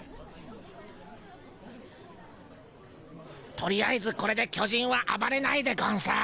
とりあえずこれで巨人はあばれないでゴンス。